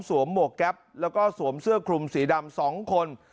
หมวกแก๊ปแล้วก็สวมเสื้อคลุมสีดำ๒คน